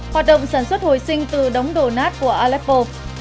hoạt động sản xuất hồi sinh từ đống đổ nát của aleppo